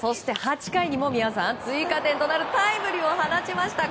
８回にも追加点となるタイムリーを放ちました。